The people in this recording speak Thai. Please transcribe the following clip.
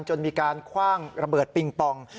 จนมีการคว่างระเบิดปิงปอง